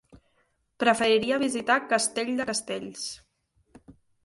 Preferiria visitar Castell de Castells.